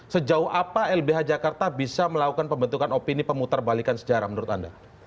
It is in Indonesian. sejauh apa lbh jakarta bisa melakukan pembentukan opini pemutar balikan sejarah menurut anda